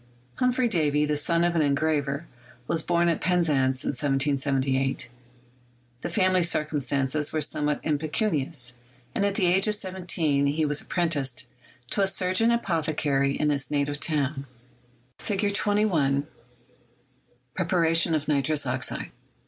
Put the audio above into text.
Humphrey Davy, the son of an engraver, was born at Penzance in 1778. The family circumstances were some what impecunious, and at the age of seventeen he was apprenticed to a surgeon apothecary in his native town Fig. 21 — Preparation of Nitrous Oxide.